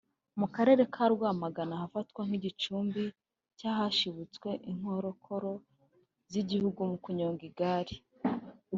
mu Karere ka Rwamagana ahafatwa nk’igicumbi cy’ahashibutse inkorokoro z’igihugu mu kunyonga igare